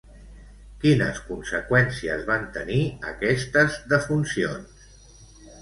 Quines conseqüències van tenir aquestes defuncions?